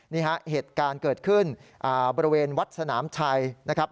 นี่ฮะเหตุการณ์เกิดขึ้นบริเวณวัดสนามชัยนะครับ